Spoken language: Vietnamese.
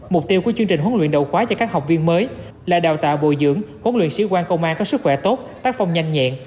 mục tiêu của chương trình huấn luyện đầu khóa cho các học viên mới là đào tạo bồi dưỡng huấn luyện sĩ quan công an có sức khỏe tốt tác phong nhanh nhẹn